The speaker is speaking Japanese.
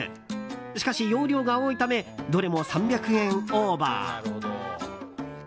しかし、容量が多いためどれも３００円オーバー。